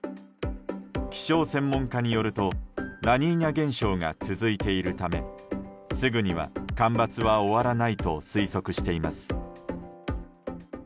気象専門家によるとラニーニャ現象が続いているためすぐには干ばつは終わらないと推測しています。